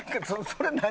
それ何？